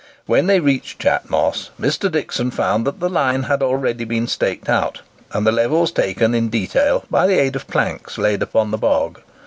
When they reached Chat Moss, Mr. Dixon found that the line had already been staked out and the levels taken in detail by the aid of planks laid upon the bog.